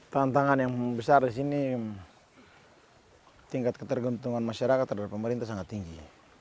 tantangan yang besar di sini tingkat ketergantungan masyarakat terhadap pemerintah sangat tinggi